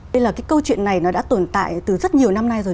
đây là cái câu chuyện này nó đã tồn tại từ rất nhiều năm nay rồi